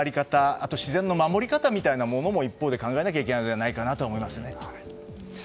あと自然の守り方みたいなものも一方で考えなければいけないのではないかなと思います。